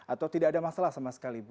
atau tidak ada masalah sama sekali bu